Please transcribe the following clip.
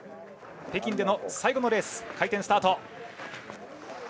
北京での最後のレース回転スタート。